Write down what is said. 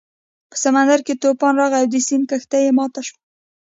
په سمندر کې طوفان راغی او د سید کښتۍ ماته شوه.